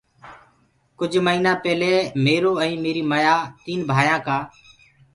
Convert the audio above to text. ڪجھ مهيٚنا پيلي ميرو ائيٚنٚ ميريٚ مَيآ تينٚ ڀآيآنٚ ڪآ